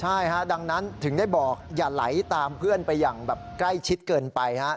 ใช่ฮะดังนั้นถึงได้บอกอย่าไหลตามเพื่อนไปอย่างแบบใกล้ชิดเกินไป